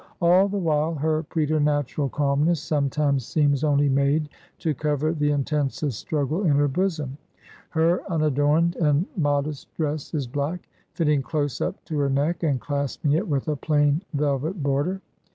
All the while, her preternatural calmness sometimes seems only made to cover the intensest struggle in her bosom. Her unadorned and modest dress is black; fitting close up to her neck, and clasping it with a plain, velvet border.